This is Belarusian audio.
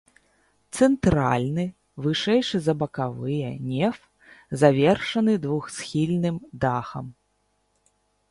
Цэнтральны, вышэйшы за бакавыя, неф завершаны двухсхільным дахам.